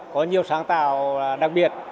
có nhiều sáng tạo đặc biệt